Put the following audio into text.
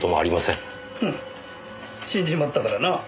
フン死んじまったからな。